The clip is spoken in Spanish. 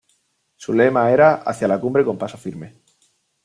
Su lema era ""Hacia la cumbre con paso firme"".